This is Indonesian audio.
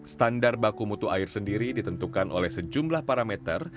standar baku mutu air sendiri ditentukan oleh sejumlah parameter